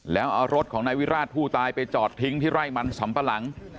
แล้วเอารถของนายวิราชผู้ตายไปจอดทิ้งที่ไร่มันสำปะหลัง